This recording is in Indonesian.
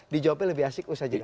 dijawabnya lebih asik usah juga